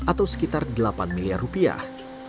atau sekitar delapan miliar rupiah